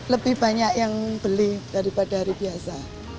lebih banyak yang beli daripada hari biasa